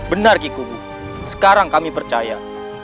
benar kiku wu sekarang kami percaya